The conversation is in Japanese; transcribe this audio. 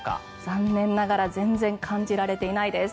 残念ながら全然感じられていないです。